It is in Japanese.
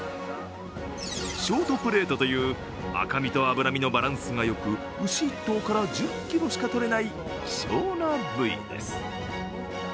ショートプレートという赤身と脂身のバランスがよく牛１頭しか１０ｋｇしかとれない希少な部位です。